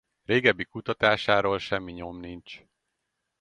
Régebbi kutatásáról semmi nyom nincs.